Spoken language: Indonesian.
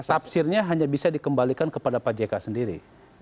tafsirnya hanya bisa dikembalikan kepada pak jk sendiri